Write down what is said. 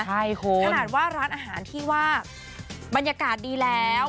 ใช่คุณขนาดว่าร้านอาหารที่ว่าบรรยากาศดีแล้ว